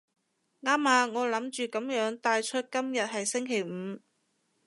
啱啊，我諗住噉樣帶出今日係星期五